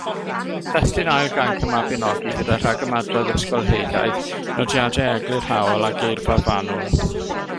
Testun ail gainc y Mabinogi gyda rhagymadrodd ysgolheigaidd, nodiadau eglurhaol a geirfa fanwl.